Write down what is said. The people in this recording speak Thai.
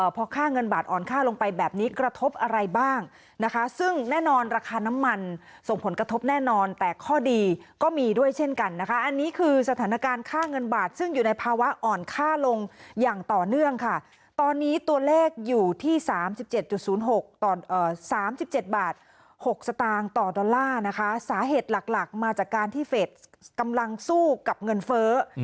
พอค่าเงินบาทอ่อนค่าลงไปแบบนี้กระทบอะไรบ้างนะคะซึ่งแน่นอนราคาน้ำมันส่งผลกระทบแน่นอนแต่ข้อดีก็มีด้วยเช่นกันนะคะอันนี้คือสถานการณ์ค่าเงินบาทซึ่งอยู่ในภาวะอ่อนค่าลงอย่างต่อเนื่องค่ะตอนนี้ตัวเลขอยู่ที่๓๗๐๖ต่อ๓๗บาท๖สตางค์ต่อดอลลาร์นะคะสาเหตุหลักหลักมาจากการที่เฟสกำลังสู้กับเงินเฟ้อ